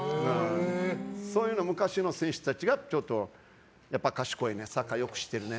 そういうの昔の選手たちのほうが賢いね、サッカーよく知ってるね。